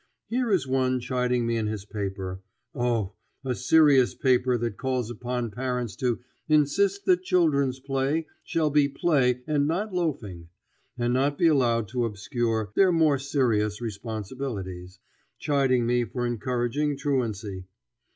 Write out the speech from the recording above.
Here is one chiding me in his paper, oh! a serious paper that calls upon parents to "insist that children's play shall be play and not loafing" and not be allowed to obscure "their more serious responsibilities," chiding me for encouraging truancy!